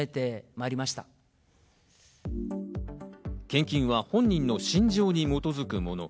献金は本人の信条に基づくもの。